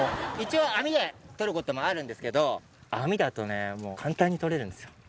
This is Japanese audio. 一応、網で捕ることもあるんですけど、網だとね、もう簡単に捕れるんですよ。